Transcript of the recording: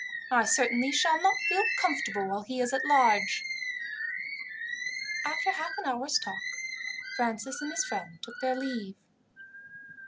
"I certainly shall not feel comfortable while he is at large." After half an hour's talk Francis and his friend took their leave.